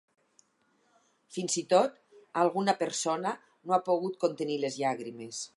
Fins i tot, alguna persona no ha pogut contenir les llàgrimes.